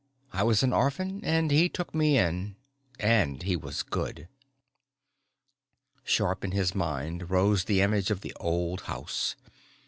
I was an orphan and he took me in and he was good._ Sharp in his mind rose the image of the old house.